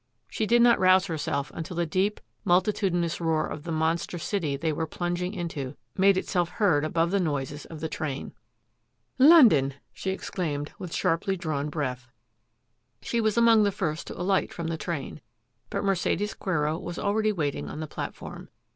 She did not rouse herself until the deep, multitudinous roar of the monster city they were plunging into made itself heard above the noises of the train. " London !" she exclaimed with sharply drawn breath. She was among the first to alight from the train, but Mercedes Quero was already waiting on the platform.